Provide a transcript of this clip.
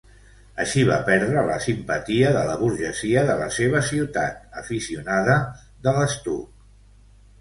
Així va perdre la simpatia de la burgesia de la seva ciutat, aficionada de l'estuc.